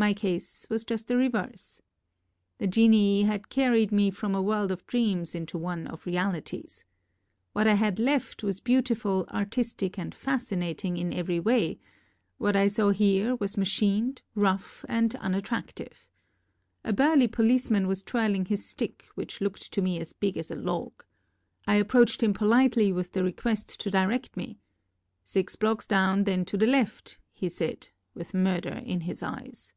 My case was just the reverse. The genii had carried me from a world of dreams into one of realities. What I had left was beautiful, artistic and fascinating in every way; what I saw here was ma chined, rough and unattractive. A burly policeman was twirling his stick which looked to me as big as a log. I. approached him politely with the request to direct me. ''Six blocks down, then to the left," he said, with murder in his eyes.